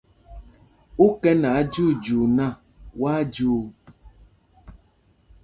Ú kɛ nɛ ajyuujyuu nak, wá á jyuu.